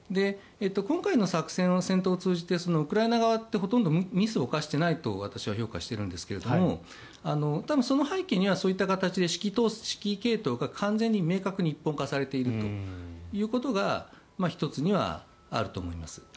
今回の作戦で戦闘を通じてウクライナ側ってほとんどミスを犯していないと私は評価していますが多分、その背景にはそういった形で指揮系統が明確に一本化されているということが１つにはあると思います。